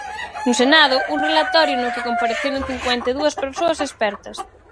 No Senado, un relatorio no que compareceron cincuenta e dúas persoas expertas.